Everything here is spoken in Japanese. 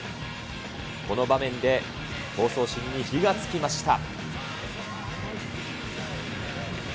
この場面で、闘争心に火がつきました。